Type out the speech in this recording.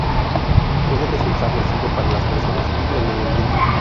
Puede resultar nocivo para las personas y el medio ambiente.